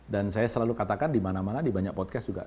dan saya selalu katakan di mana mana di banyak podcast juga